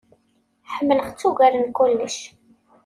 Ḥemleɣ-tt ugar n kullec.